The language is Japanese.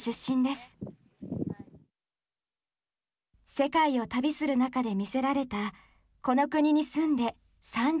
世界を旅する中で魅せられたこの国に住んで３０年。